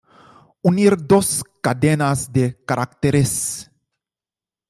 Unir dos cadenas de caracteres.